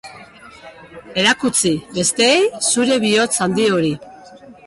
Erakutsi besteei zure bihotz handi hori.